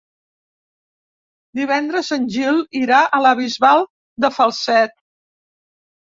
Divendres en Gil irà a la Bisbal de Falset.